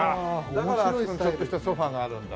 だからあそこにちょっとしたソファがあるんだ。